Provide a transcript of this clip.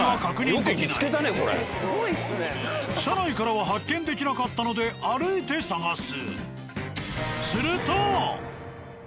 車内からは発見できなかったので歩いて探す。